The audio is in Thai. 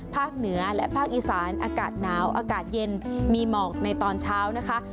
เหนือและภาคอีสานอากาศหนาวอากาศเย็นมีหมอกในตอนเช้านะคะ